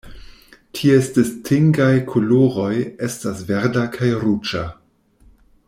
Ties distingaj koloroj estas verda kaj ruĝa.